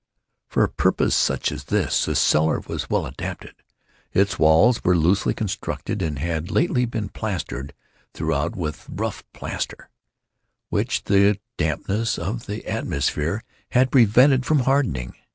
For a purpose such as this the cellar was well adapted. Its walls were loosely constructed, and had lately been plastered throughout with a rough plaster, which the dampness of the atmosphere had prevented from hardening.